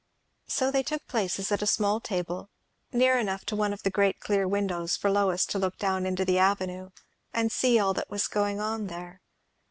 So they took places at a small table, near enough to one of the great clear windows for Lois to look down into the Avenue and see all that was going on there.